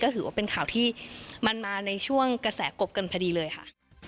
ถือว่าเป็นข่าวที่มันมาในช่วงกระแสกบกันพอดีเลยค่ะ